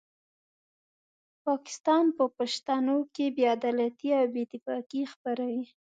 پاکستان په پښتنو کې بې عدالتي او بې اتفاقي خپروي.